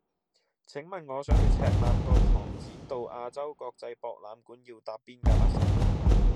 請問我想去赤鱲角航展道亞洲國際博覽館要搭邊架巴士